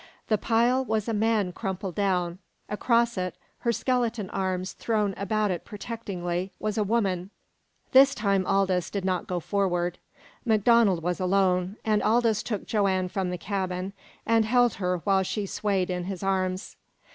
The pile was a man crumpled down; across it, her skeleton arms thrown about it protectingly, was a woman. This time Aldous did not go forward. MacDonald was alone, and Aldous took Joanne from the cabin, and held her while she swayed in his arms.